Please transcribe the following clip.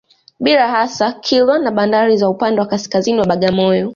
Bali hasa Kilwa na bandari za upande wa kaskaziini wa Bagamoyo